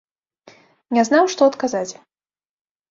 Не знаў, што адказаць.